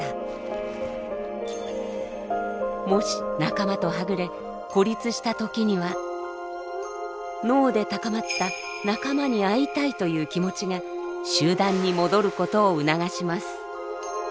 もし仲間とはぐれ孤立した時には脳で高まった仲間に会いたいという気持ちが集団に戻ることを促します。